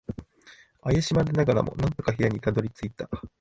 怪しまれながらも、なんとか部屋にたどり着いた。